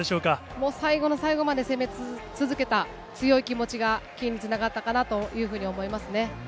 もう最後の最後まで攻め続けた強い気持ちが金につながったかなというふうに思いますね。